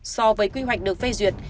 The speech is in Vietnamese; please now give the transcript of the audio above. so với quy hoạch được phê duyệt